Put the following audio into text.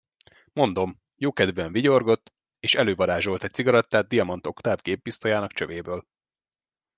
Mondom, jókedvűen vigyorgott, és elővarázsolt egy cigarettát Diamant Oktáv géppisztolyának csövéből.